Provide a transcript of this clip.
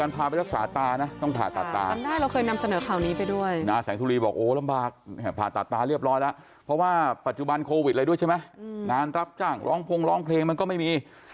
ปัจจุบันโควิดอะไรด้วยใช่มั้ยงานรับทั่งร้องพรงร้องเพลงมันก็ไม่มี